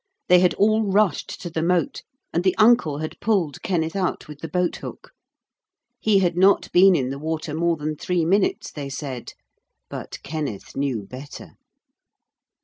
They had all rushed to the moat, and the uncle had pulled Kenneth out with the boat hook. He had not been in the water more than three minutes, they said. But Kenneth knew better.